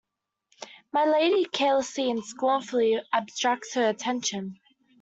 My Lady carelessly and scornfully abstracts her attention.